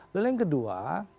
lalu yang kedua